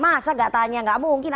masa enggak tanya enggak mungkin